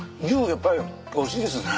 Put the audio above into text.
やっぱりおいしいですね。